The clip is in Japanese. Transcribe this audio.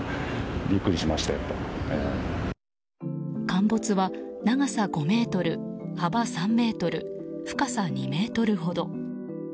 陥没は、長さ５ｍ幅３ｍ、深さ２ｍほど。